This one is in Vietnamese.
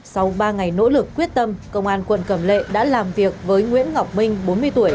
sau ba ngày nỗ lực quyết tâm công an quận cẩm lệ đã làm việc với nguyễn ngọc minh bốn mươi tuổi